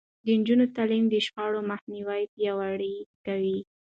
د نجونو تعليم د شخړو مخنيوی پياوړی کوي.